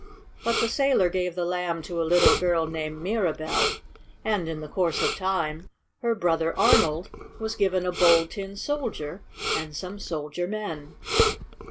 But the sailor gave the Lamb to a little girl named Mirabell. And, in the course of time, her brother Arnold was given a Bold Tin Soldier and some soldier men.